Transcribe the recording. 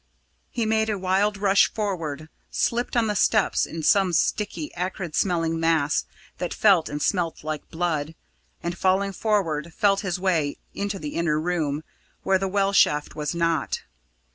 He made a wild rush forward slipt on the steps in some sticky, acrid smelling mass that felt and smelt like blood, and, falling forward, felt his way into the inner room, where the well shaft was not.